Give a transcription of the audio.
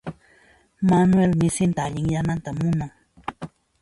Manuel misinta allinyananta munan.